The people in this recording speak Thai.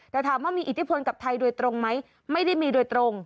แต่ถามว่ามีอิทธิพลกับไทยโดยตรงไหมไม่ได้มีโดยตรง